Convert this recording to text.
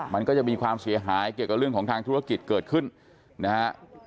มันก็จะมีความเสียหายเกี่ยวกับเรื่องของทางธุรกิจเกิดขึ้นนะฮะ